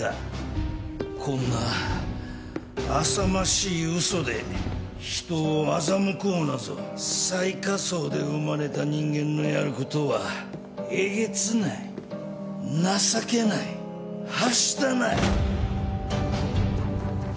こんな浅ましい嘘で人を欺こうなぞ最下層で生まれた人間のやることはえげつない情けないはしたない。